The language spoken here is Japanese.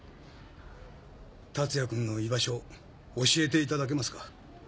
達也君の居場所教えていただけますか？